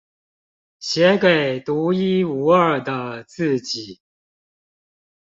寫給獨一無二的自己